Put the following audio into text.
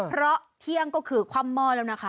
เพราะเที่ยงก็คือคว่ำหม้อแล้วนะคะ